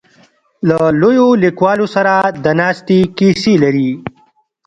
له لویو لیکوالو سره د ناستې کیسې لري.